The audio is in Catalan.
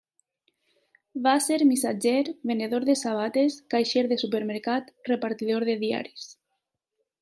Va ser missatger, venedor de sabates, caixer de supermercat, repartidor de diaris.